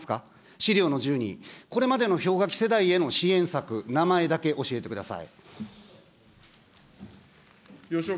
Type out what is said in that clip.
資料の１２、これまでの氷河期世代への支援策、名前だけ教えてください。